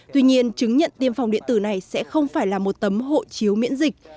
tuy nhiên chứng nhận tiêm phòng điện tử này sẽ không phải là một tấm hộ chiếu miễn dịch